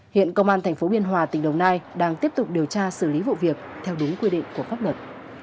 hiện công an tp biên hòa tỉnh đồng nai đang tiếp tục điều tra xử lý vụ việc theo đúng quy định của pháp luật